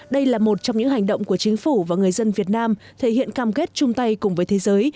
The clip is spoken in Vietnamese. đây là một trong những hành động của chính phủ và người dân việt nam thể hiện cam kết chung tay cùng với thế giới